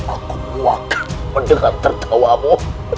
aku muakkan pendengar tertawamu